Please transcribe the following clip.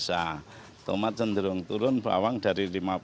cabai merah tomat cenderung turun bawang dari rp lima puluh